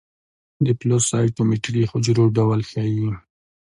د فلو سايټومېټري حجرو ډول ښيي.